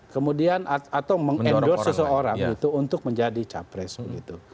kemudian atau mengendorse seseorang gitu untuk menjadi capres begitu